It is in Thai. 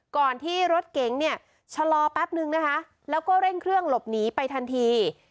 ก่อนที่รถเก๋งเนี่ยชะลอแป๊บนึงนะคะแล้วก็เร่งเครื่องหลบหนีไปทันที